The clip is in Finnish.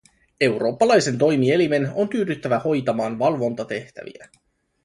Eurooppalaisen toimielimen on tyydyttävä hoitamaan valvontatehtäviä.